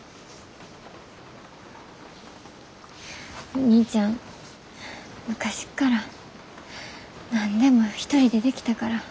お兄ちゃん昔から何でも一人でできたから。